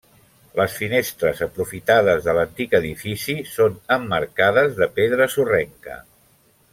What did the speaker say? Les finestres, aprofitades de l’antic edifici, són emmarcades de pedra sorrenca.